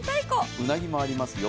うなぎもありますよ。